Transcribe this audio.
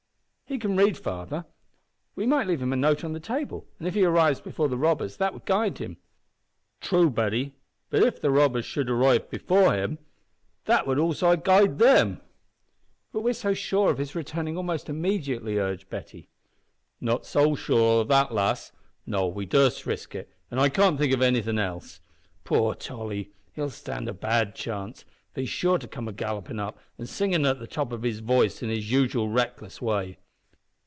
"He can read, father. We might leave a note for him on the table, and if he arrives before the robbers that would guide him." "True, Betty; but if the robbers should arrive before him, that would also guide them." "But we're so sure of his returning almost immediately," urged Betty. "Not so sure o' that, lass. No, we durstn't risk it, an' I can't think of anything else. Poor Tolly! he'll stand a bad chance, for he's sure to come gallopin' up, an' singin' at the top of his voice in his usual reckless way."